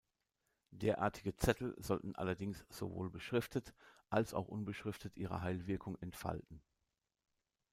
Derartige Zettel sollten allerdings sowohl beschriftet als auch unbeschriftet ihre Heilwirkung entfalten.